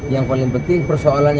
yang paling penting persoalannya